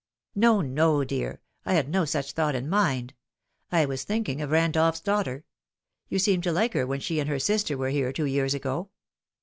" No, no, dear. I had no such thought in my mind. I was thinking of Randolph's daughter. You seemed to like her when she and her sister were here two years ago."